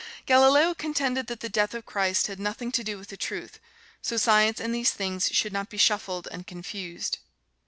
Galileo contended that the death of Christ had nothing to do with the truth, so Science and these things should not be shuffled and confused.